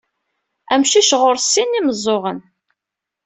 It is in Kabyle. Amcic ɣer-s sin n yimeẓẓuɣen.